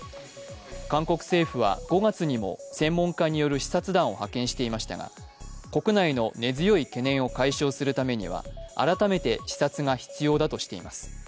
韓国政府は５月にも専門家による視察団を派遣していましたが、国内の根強い懸念を解消するためには改めて視察が必要だとしています。